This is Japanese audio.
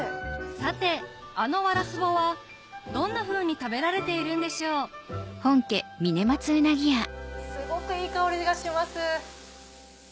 さてあのワラスボはどんなふうに食べられているんでしょうすごくいい香りがします。